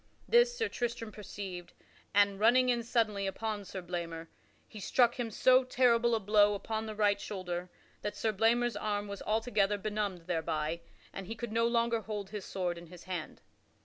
This Sir Tristram perceived, and, running in suddenly upon Sir Blamor, he struck him so terrible a blow upon the right shoulder that Sir Blamor's arm was altogether benumbed thereby, and he could no longer hold his sword in his hand.